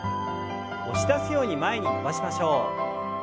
押し出すように前に伸ばしましょう。